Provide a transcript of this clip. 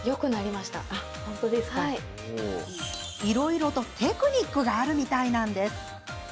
いろいろとテクニックがあるみたいなんです。